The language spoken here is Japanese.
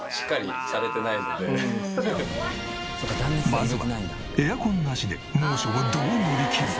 まずはエアコンなしで猛暑をどう乗りきる？